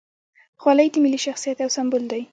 خولۍ د ملي شخصیت یو سمبول دی.